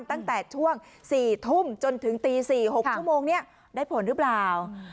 ตั้งแต่ช่วง๔ทุ่มจนถึงตี๔๖ชั่วโมงนี้ได้ผลหรือเปล่า